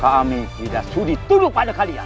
kami tidak studi tuduh pada kalian